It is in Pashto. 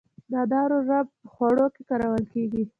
د انارو رب په خوړو کې کارول کیږي.